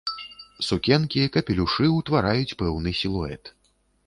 Сукенкі, капелюшы утвараюць пэўны сілуэт.